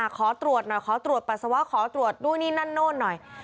ขอตรวจหน่อยขอตรวจปัสสาวะขอตรวจนู่นนี่นั่นโน่นหน่อย